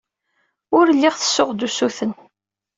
Ur lliɣ ttessuɣ-d usuten.